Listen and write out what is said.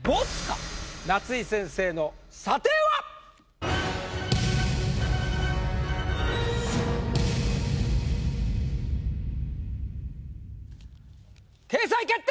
夏井先生の査定は⁉掲載決定！